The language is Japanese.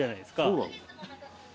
そうなの？